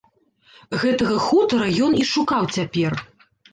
Гэтага хутара ён і шукаў цяпер.